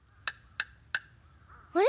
あれ？